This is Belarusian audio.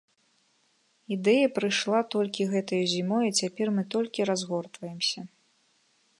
Ідэя прыйшла толькі гэтаю зімою і цяпер мы толькі разгортваемся.